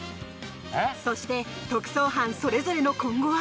そして特捜班それぞれの今後は。